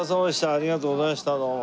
ありがとうございましたどうも。